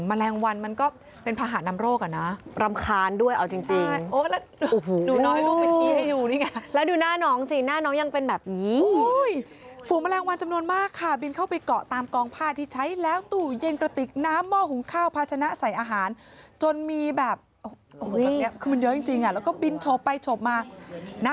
แมลงวันมันก็เป็นพาหานำโรคอ่ะนะ